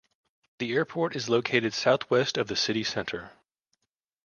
The airport is located southwest of the city centre.